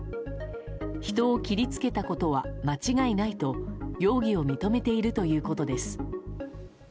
人を切りつけたことは間違いないと容疑を認めているということです。